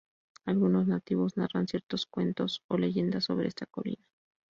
Algunos nativos narran ciertos cuentos o leyendas sobre esta colina.